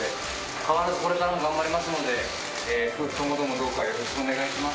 変わらずこれからも頑張りますので、夫婦ともどもよろしくお願いします。